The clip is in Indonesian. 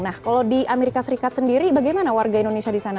nah kalau di amerika serikat sendiri bagaimana warga indonesia di sana